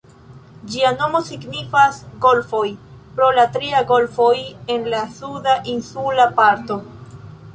Ĝia nomo signifas "Golfoj", pro la tri golfoj en la suda insula parto.